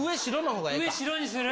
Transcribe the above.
上、白にする？